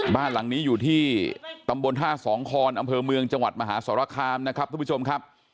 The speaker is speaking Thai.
บ้านหลังนี้อยู่ที่ตำบลท่าสองคอนอำเภอเมืองจังหวัดมหาสรคามนะครับทุกผู้ชมครับ